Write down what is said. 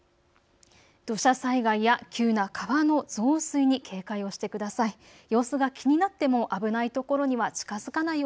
土砂災害や急な川の増水に警戒をしてください。